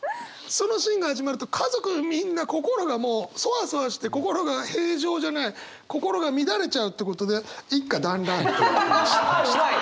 そのシーンが始まると家族みんな心がソワソワして心が平常じゃない心が乱れちゃうってことでうまい！